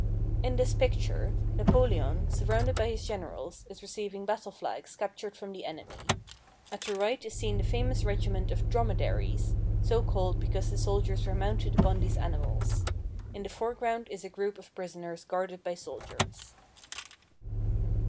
In this picture. Napoleon, surrounded by his generals, is receiving battle flags captured from the enemy. At the right is seen the famous regiment of "Dromedaries," so called because the soldiers were mounted upon these animals. In the foreground is a group of prisoners guarded by soldiers.